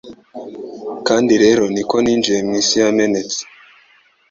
Kandi rero ni ko ninjiye mu isi yamenetse